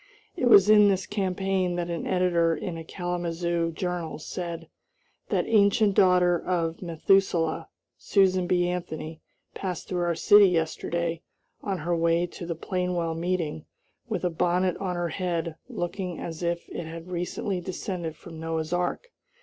It was in this campaign that an editor in a Kalamazoo journal said: "That ancient daughter of Methuselah, Susan B. Anthony, passed through our city yesterday, on her way to the Plainwell meeting, with a bonnet on her head looking as if it had recently descended from Noah's ark."